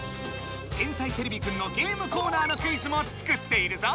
「天才てれびくん」のゲームコーナーのクイズも作っているぞ！